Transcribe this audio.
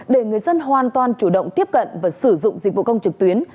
để người dân hoàn toàn chủ động tiếp cận và sử dụng dịch vụ công trực tuyến